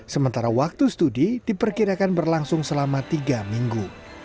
sementara waktu studi diperkirakan berlangsung selama tiga minggu